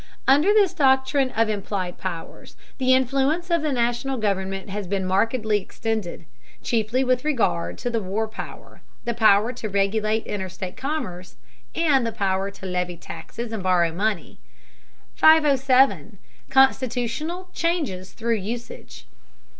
Under this doctrine of implied powers, the influence of the National government has been markedly extended, chiefly with regard to the war power, the power to regulate interstate commerce, and the power to levy taxes and borrow money. 507. CONSTITUTIONAL CHANGES THROUGH USAGE.